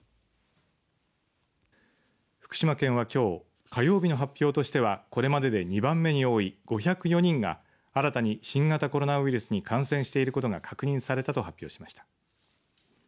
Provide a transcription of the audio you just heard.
福島県はきょう火曜日の発表としてはこれまでで２番目に多い５０４人が新たに新型コロナウイルスに感染していることが確認されたと発表しました。